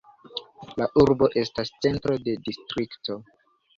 La urbo estas centro de distrikto.